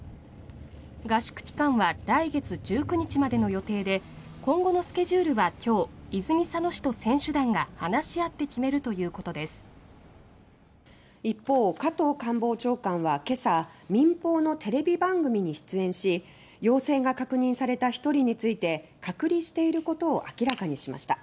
合宿期間は来月１９日までの予定で今後のスケジュールは、きょう泉佐野市と選手団が話し合って決めるということです一方、加藤官房長官はけさ民放のテレビ番組に出演し陽性が確認された１人について隔離していることを明らかにしました。